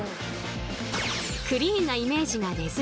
クリーンなイメージが根づき